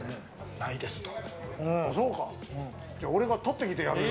ないですと。